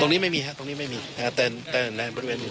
ตรงนี้ไม่มีครับตรงนี้ไม่มีแต่ในบริเวณนี้